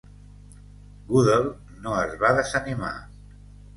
Goodell no es va desanimar.